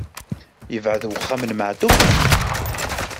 Yebɛed uxxam n Maɛṭub?